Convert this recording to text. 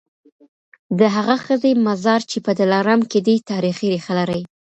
د هغه ښځي مزار چي په دلارام کي دی تاریخي ریښه لري.